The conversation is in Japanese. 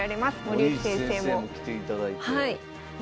森内先生も来ていただいて。